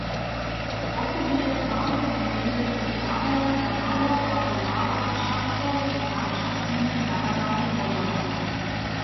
Wosebje małe gmejny su hladajo na mało personala často z načasnymi nadawkami přežadane.